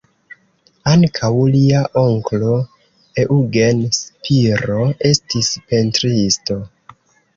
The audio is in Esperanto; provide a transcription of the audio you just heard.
Ankaŭ lia onklo, Eugen Spiro estis pentristo.